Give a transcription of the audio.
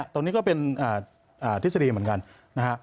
ตรงนี้ก็เป็นทฤษฎีเหมือนกันนะฮะ